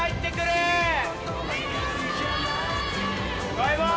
バイバーイ！